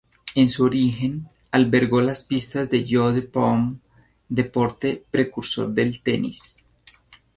En su origen, albergó las pistas de "jeu de paume," deporte precursor del tenis.